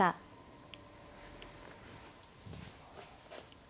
はい。